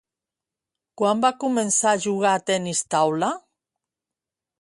Quan va començar a jugar tenis taula?